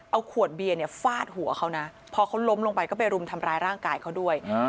เอาขวดเบียร์เนี่ยฟาดหัวเขานะพอเขาล้มลงไปก็ไปรุมทำร้ายร่างกายเขาด้วย